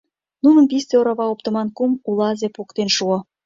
Нуным писте вара оптыман кум улазе поктен шуо.